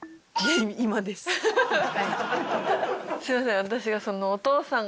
すいません。